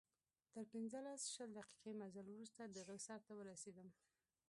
تر پنځلس، شل دقیقې مزل وروسته د غره سر ته ورسېدم.